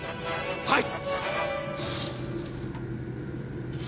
はい！